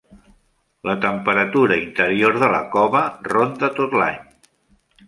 La temperatura interior de la cova ronda tot l'any.